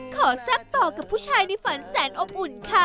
แซ่บต่อกับผู้ชายในฝันแสนอบอุ่นค่ะ